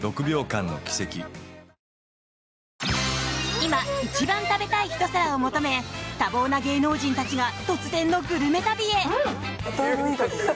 今一番食べたいひと皿を求め多忙な芸能人たちが突然のグルメ旅へ。